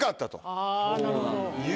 あぁなるほど。